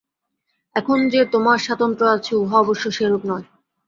এখন যে তোমার স্বাতন্ত্র্য আছে, উহা অবশ্য সেরূপ নয়।